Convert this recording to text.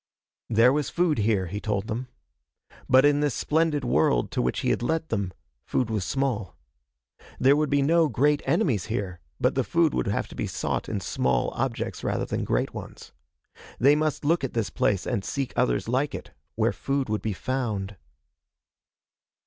There was food here, he told them. But in this splendid world to which he had led them, food was small. There would be no great enemies here, but the food would have to be sought in small objects rather than great ones. They must look at this place and seek others like it, where food would be found....